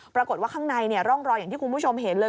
ปรากฏว่าข้างในร่องรอยอย่างที่คุณผู้ชมเห็นเลย